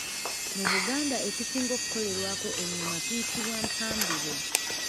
Mu Buganda ekisinga okukolerwako engoma kiyitibwa Mpambire.